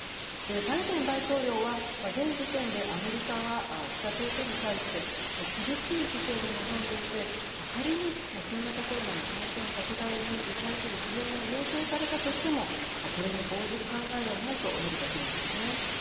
バイデン大統領は、現時点でアメリカは、北朝鮮に対して厳しい姿勢で臨んでいて仮に新型コロナの感染拡大に対する支援を要請されたとしてもこれに応じる考えはないと述べたそうなんですね。